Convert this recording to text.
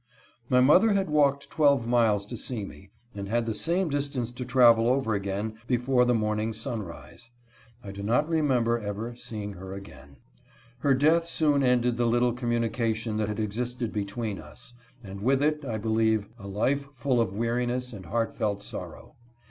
My mother had walked twelve miles to see me, and had the same distance to travel over again before the morning sunrise. I do not remember ever seeing her again. Her The Last Time he saw his Mother. HEE DEATH. 39 death soon ended the little communication that had ex isted between us, and with it, I believe, a life full of weariness and heartfelt sorrow.